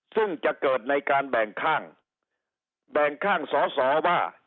ซึ่งจะเกิดในการแบ่งข้างแบ่งข้างสอสอว่า